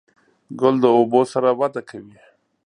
ګل د اوبو سره وده کوي.